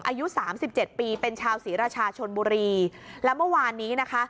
อายุสามสิบเจ็ดปีเป็นชาวศรีราชาชนบุรีแล้วเมื่อวานนี้นะคะ